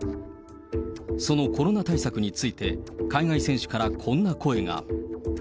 そのコロナ対策について、海外選手からこんな声が。